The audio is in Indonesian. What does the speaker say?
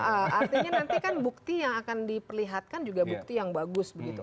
artinya nanti kan bukti yang akan diperlihatkan juga bukti yang bagus begitu